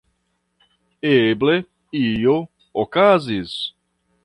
Eble, io okazis.